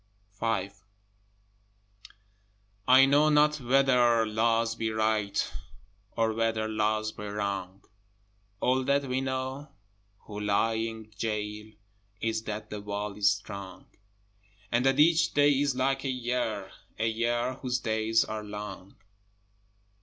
V I know not whether Laws be right, Or whether Laws be wrong; All that we know who lie in goal Is that the wall is strong; And that each day is like a year, A year whose days are long.